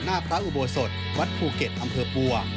หน้าพระอุโบสถวัดภูเก็ตอำเภอปัว